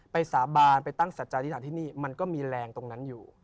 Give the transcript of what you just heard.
สาบานไปตั้งสัจจานิษฐานที่นี่มันก็มีแรงตรงนั้นอยู่